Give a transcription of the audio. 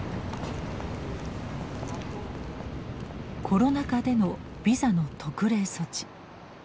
コロナ禍でのビザの特例措置。